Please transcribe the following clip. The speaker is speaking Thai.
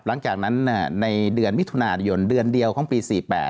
หลังจากนั้นในเดือนมิถุนายนเดือนเดียวของปี๔๘